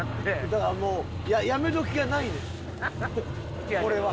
だからもうやめ時がないねんこれは。